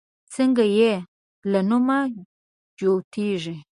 څنگه چې يې له نوم جوتېږي